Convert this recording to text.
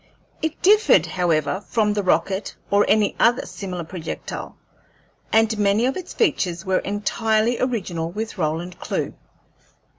It differed, however, from the rocket or any other similar projectile, and many of its features were entirely original with Roland Clewe.